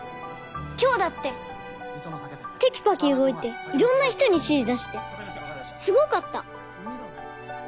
今日だっててきぱき動いていろんな人に指示出してすごかった。